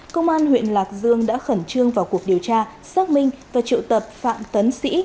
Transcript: công an huyện lạc dương đã khẩn trương vào cuộc điều tra xác minh và triệu tập phạm tấn sĩ